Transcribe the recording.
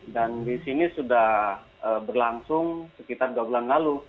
dan di sini sudah berlangsung sekitar dua bulan lalu